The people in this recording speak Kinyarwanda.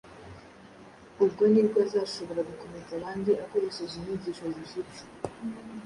Ubwo nibwo azashobora gukomeza abandi akoresheje inyigisho zishyitse,